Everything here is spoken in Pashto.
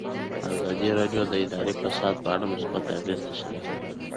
ازادي راډیو د اداري فساد په اړه مثبت اغېزې تشریح کړي.